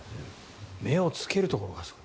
目をつけるところがすごい。